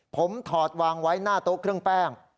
ผมถอดวางไว้หน้าโต๊ะเครื่องแป้ง